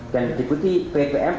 dan diputi bpm